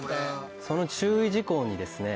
その注意事項にですね